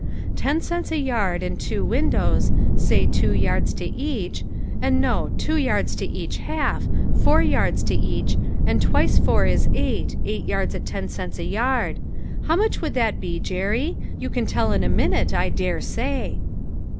Ten cents a yard, and two windows, say two yards to each, and no, two yards to each half, four yards to each, and twice four is eight, eight yards at ten cents a yard. How much would that be, Jerry ? You can tell in a minute, I dare say."